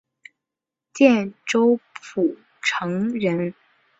建州浦城人。